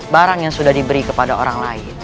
barang yang sudah diberi kepada orang lain